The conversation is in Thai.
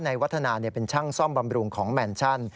วัฒนาเป็นช่างซ่อมบำรุงของแมนชั่น